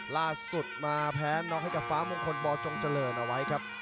ล่าสุดมาแพ้น็อกให้กับฟ้ามงคลบจงเจริญเอาไว้ครับ